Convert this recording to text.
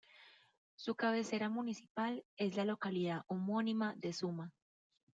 Su cabecera municipal es la localidad homónima de Suma.